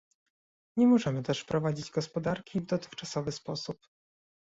Nie możemy też prowadzić gospodarki w dotychczasowy sposób